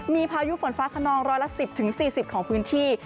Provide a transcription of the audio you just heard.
มีพายุฝนฟ้าขนองร้อยละ๑๐๔๐ของพื้นที่